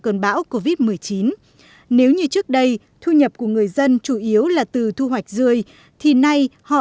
cơn bão covid một mươi chín nếu như trước đây thu nhập của người dân chủ yếu là từ thu hoạch dươi thì nay họ